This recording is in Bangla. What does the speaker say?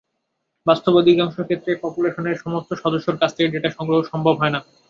বাস্তবে অধিকাংশ ক্ষেত্রেই পপুলেশনের সমস্ত সদস্যের কাছ থেকে ডেটা সংগ্রহ সম্ভব হয় না।